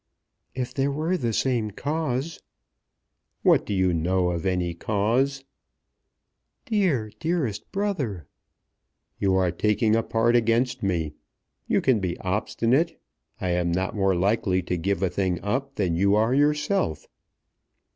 "If there were the same cause!" "What do you know of any cause?" "Dear, dearest brother." "You are taking a part against me. You can be obstinate. I am not more likely to give a thing up than you are yourself."